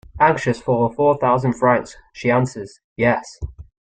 Anxious for her four thousand francs, she answers 'Yes.'